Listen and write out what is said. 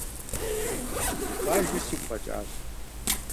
Ди къуажэр сигу къэкӀащ.